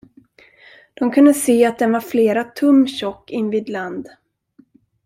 De kunde se, att den var flera tum tjock invid land.